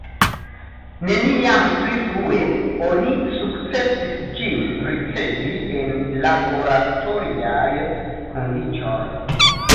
Neniam pli frue oni sukcesis ĝin ricevi en laboratoriaj kondiĉoj.